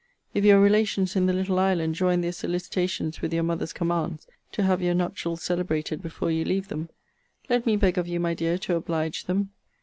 If your relations in the little island join their solicitations with your mother's commands, to have your nuptials celebrated before you leave them, let me beg of you, my dear, to oblige them.